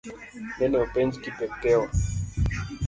Nene openj Kipokeo.